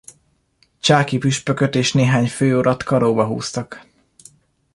Csáky püspököt és néhány főurat karóba húztak.